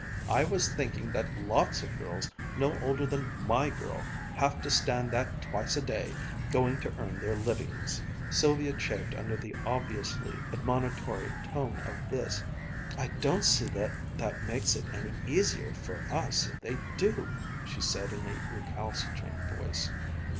I was thinking that lots of girls, no older than my girl, have to stand that twice a day, going to earn their livings." Sylvia chafed under the obviously admonitory tone of this. "I don't see that that makes it any easier for us if they do!" she said in a recalcitrant voice.